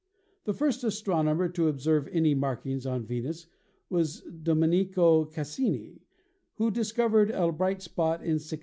The first astronomer to observe any mark ings on Venus was Domenico Cassini, who discovered a bright spot in 1666.